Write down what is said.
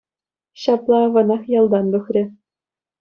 Ҫапла аванах ялтан тухрӗ.